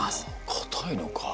硬いのか。